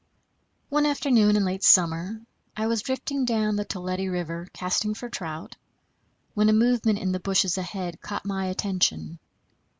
One afternoon in late summer I was drifting down the Toledi River, casting for trout, when a movement in the bushes ahead caught my attention.